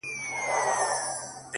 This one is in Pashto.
د زړه په كور كي دي بل كور جوړكړی!